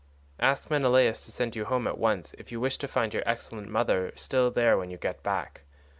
Ask Menelaus to send you home at once if you wish to find your excellent mother still there when you get back.